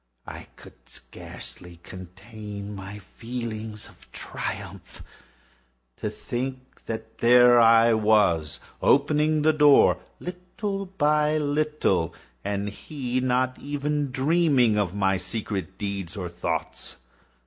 I could scarcely contain my feelings of triumph. To think that there I was, opening the door, little by little, and he not even to dream of my secret deeds or thoughts.